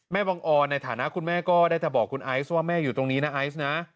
บังออนในฐานะคุณแม่ก็ได้แต่บอกคุณไอซ์ว่าแม่อยู่ตรงนี้นะไอซ์นะ